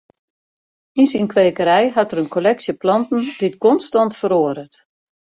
Yn syn kwekerij hat er in kolleksje planten dy't konstant feroaret.